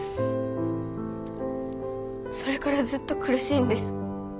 それからずっと苦しいんです。